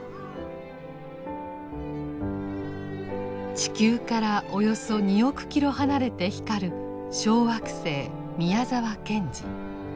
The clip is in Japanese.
地球からおよそ２億キロ離れて光る小惑星「宮沢賢治」。